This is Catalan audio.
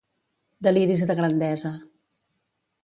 Deliris de grandesa.